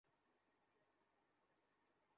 তুমি বাসায় থাকো।